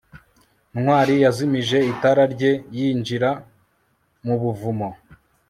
ntwali yazimije itara rye yinjira mu buvumo